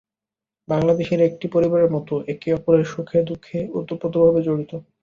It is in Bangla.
বাংলাদেশিরা একটি পরিবারের মতো একে অপরের সুখে দুঃখে ওতপ্রোত ভাবে জড়িত।